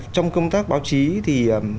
trong công tác báo chí thì